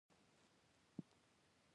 شرایط په ځان عملي کړي.